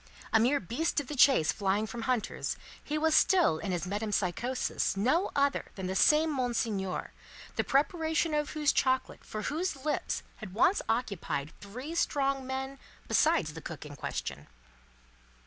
A mere beast of the chase flying from hunters, he was still in his metempsychosis no other than the same Monseigneur, the preparation of whose chocolate for whose lips had once occupied three strong men besides the cook in question.